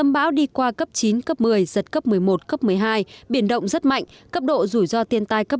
bão đi qua cấp chín cấp một mươi giật cấp một mươi một cấp một mươi hai biển động rất mạnh cấp độ rủi ro thiên tai cấp